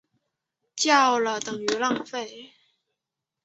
叫了等于浪费